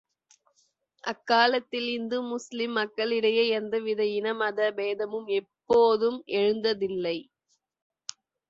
அக்காலத்தில் இந்து முஸ்லீம் மக்களிடையே எந்த வித இன, மத பேதமும் எப்போதும் எழுந்ததில்லை.